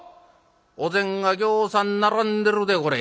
お膳がぎょうさん並んでるでこれ。